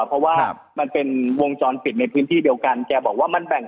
เพราะว่ามันเป็นวงจรศิษย์ในพื้นที่เดียวกัน